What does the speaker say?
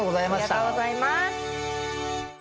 ありがとうございます。